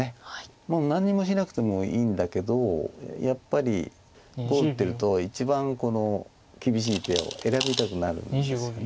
もう何にもしなくてもいいんだけどやっぱり碁を打ってると一番厳しい手を選びたくなるんですよね。